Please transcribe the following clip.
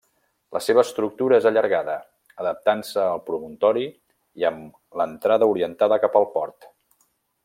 La seva estructura és allargada, adaptant-se al promontori i amb l'entrada orientada cap al port.